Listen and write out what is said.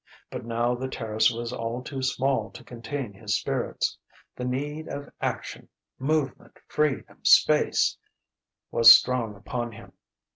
But now the terrace was all too small to contain his spirits. The need of action movement, freedom, space was strong upon him.